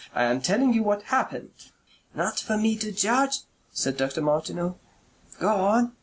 I am telling you what happened. "Not for me to judge," said Dr. Martineau. "Go on."